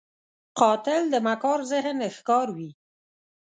قاتل د مکار ذهن ښکار وي